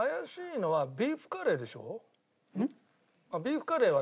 ビーフカレーは。